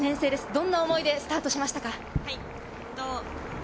どんな思いでスタートしましたか？